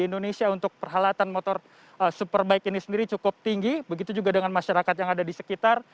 indonesia untuk perhalatan motor superbike ini sendiri cukup tinggi begitu juga dengan masyarakat yang ada di sekitar